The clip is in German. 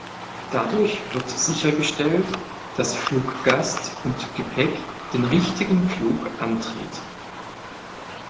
Dadurch wird sichergestellt, dass Fluggast und Gepäck den richtigen Flug antreten.